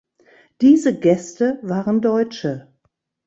Diese „Gäste“ waren Deutsche.